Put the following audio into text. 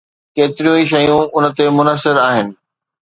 ڪيتريون ئي شيون ان تي منحصر آهن.